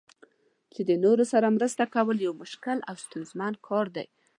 چې د نورو سره مرسته کول یو مشکل او ستونزمن کار دی.